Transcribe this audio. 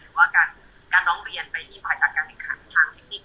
หรือว่าการร้องเรียนไปที่ฝ่ายจัดการแข่งขันทางเทคนิค